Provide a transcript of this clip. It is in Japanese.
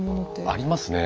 ありますね。